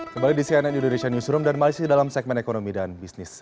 kembali di cnn indonesia newsroom dan malaysia dalam segmen ekonomi dan bisnis